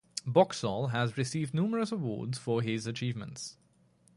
Boxall has received numerous awards for his achievements.